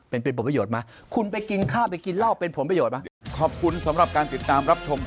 เป็นเป็นผลประโยชน์ไหม